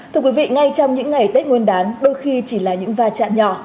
thưa quý vị ngay trong những ngày tết nguyên đán đôi khi chỉ là những va chạm nhỏ